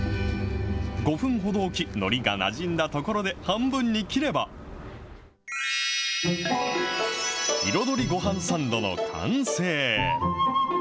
５分ほど置き、のりがなじんだところで半分に切れば、彩りごはんサンドの完成。